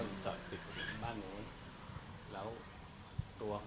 แล้วตัวความตลาดคนแข่งลดสน